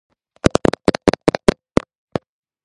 ადმინისტრაციული ცენტრია ქალაქი კევედო.